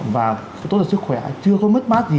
và tốt là sức khỏe chưa có mất mát gì